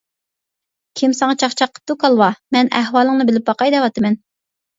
-كىم ساڭا چاقچاق قىپتۇ كالۋا! مەن ئەھۋالىڭنى بىلىپ باقاي دەۋاتىمەن!